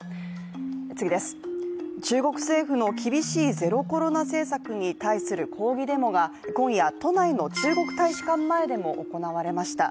中国政府の厳しいゼロコロナ政策に対する抗議デモが今夜、都内の中国大使館前でも行われました。